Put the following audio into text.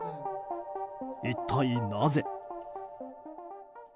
一体、なぜ。